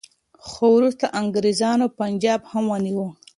خو وروسته انګریزانو پنجاب هم ونیو.